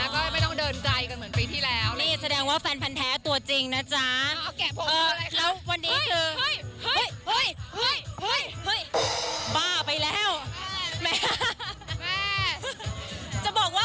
ไม่ต้องเดินไกลกันเหมือนปีที่แล้วแฟนแผนแท้ตัวจริงวันนี้คือ